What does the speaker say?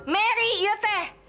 merry iya teh